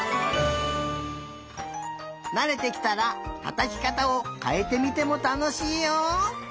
なれてきたらたたきかたをかえてみてもたのしいよ！